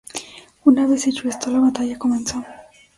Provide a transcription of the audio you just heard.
Una vez hecho esto, la batalla comenzó.